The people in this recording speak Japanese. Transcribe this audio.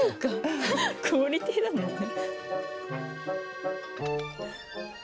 クオリティーだもんね。